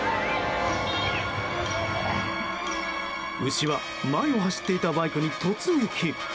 牛は、前を走っていたバイクに突撃。